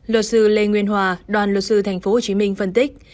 luật sư lê nguyên hòa đoàn luật sư tp hcm phân tích